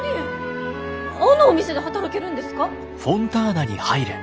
あのお店で働けるんですか？